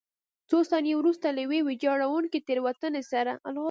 څو ثانیې وروسته له یوې ویجاړوونکې تېروتنې سره.